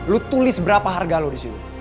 lo tulis berapa harga lo disitu